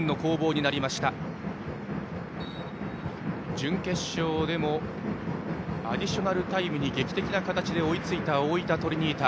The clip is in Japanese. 準決勝でもアディショナルタイムに劇的な形で追いついた大分トリニータ。